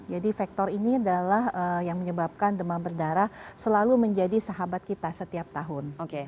jadi faktor ini adalah yang menyebabkan demam berdarah selalu menjadi sahabat kita setiap tahun